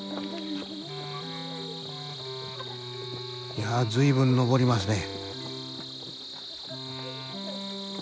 いや随分登りますね。